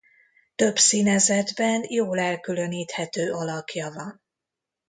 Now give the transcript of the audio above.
Több színezetben jól elkülöníthető alakja van.